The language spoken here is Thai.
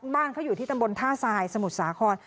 บ้านเขาอยู่ที่ตำบลท่าทรายสมุทรสาคร